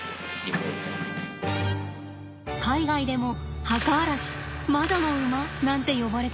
海外でも「墓荒らし」「魔女の馬」なんて呼ばれてきました。